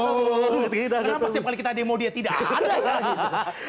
kenapa setiap kali kita demo dia tidak ada ya